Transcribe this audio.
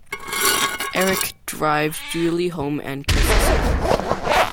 Eric drives Julie home and kisses her.